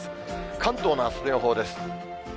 関東のあすの予報です。